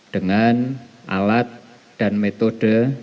dengan alat dan metode